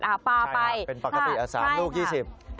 ป่าไปฮะค่ะครับเป็นปรกติ๓ลูก๒๐บาท